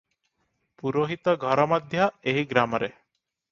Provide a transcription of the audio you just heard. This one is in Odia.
ପୁରୋହିତ ଘର ମଧ୍ୟ ଏହି ଗ୍ରାମରେ ।